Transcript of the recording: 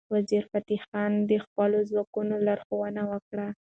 وزیرفتح خان د خپلو ځواکونو لارښوونه وکړه.